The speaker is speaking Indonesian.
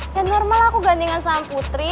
ya normal aku gantingan sama putri